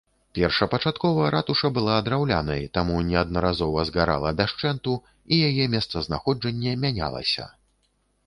Першапачаткова ратуша была драўлянай, таму неаднаразова згарала дашчэнту, і яе месцазнаходжанне мянялася.